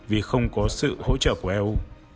vì không có sự hỗ trợ của eu